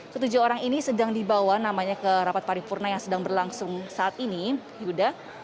ketujuh orang ini sedang dibawa namanya ke rapat paripurna yang sedang berlangsung saat ini yuda